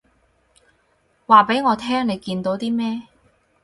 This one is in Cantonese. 話畀我聽你見到啲咩